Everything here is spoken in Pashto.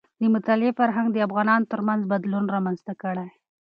د مطالعې فرهنګ د افغانانو ترمنځ بدلون رامنځته کړي.